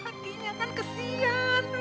hantinya kan kesian